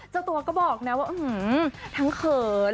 เจ้าตัวก็บอกนะว่าถึงเผยกับเคยน